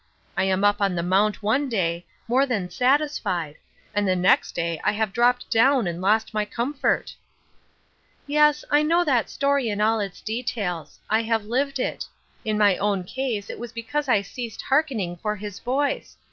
I am up on the Mount one day, more than satis fied, and the next day I have dropped down and lost my comfort/' " Yes, I know that story in all its details. I have lived it. In my own case it was because I ceased ' hearkening ' for his voice.